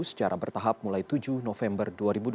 secara bertahap mulai tujuh november dua ribu dua puluh